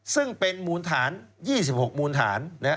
ซึ่งเป็นมูลฐาน๒๖มูลฐาน